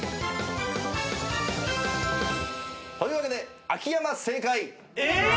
というわけで秋山正解。え！？